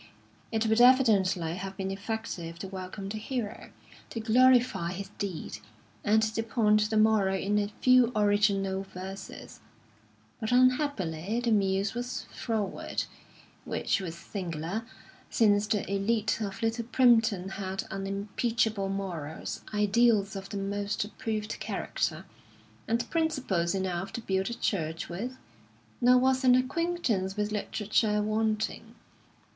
It would evidently have been effective to welcome the hero, to glorify his deed, and to point the moral in a few original verses; but, unhappily, the muse was froward, which was singular, since the élite of Little Primpton had unimpeachable morals, ideals of the most approved character, and principles enough to build a church with; nor was an acquaintance with literature wanting.